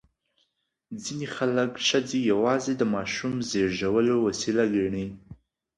ځینې خلک ښځې یوازې د ماشوم زېږولو وسیله ګڼي.